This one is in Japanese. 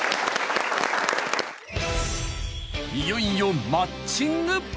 ［いよいよマッチング］